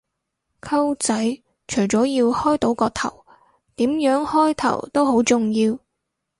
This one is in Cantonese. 溝仔，除咗要開到個頭，點樣開頭都好重要